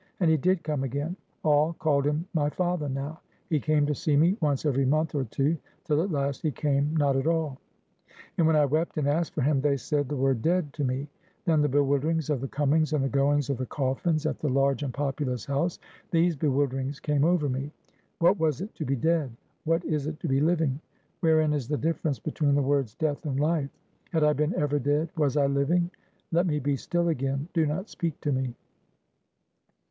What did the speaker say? And he did come again. All called him my father now. He came to see me once every month or two; till at last he came not at all; and when I wept and asked for him, they said the word Dead to me. Then the bewilderings of the comings and the goings of the coffins at the large and populous house; these bewilderings came over me. What was it to be dead? What is it to be living? Wherein is the difference between the words Death and Life? Had I been ever dead? Was I living? Let me be still again. Do not speak to me."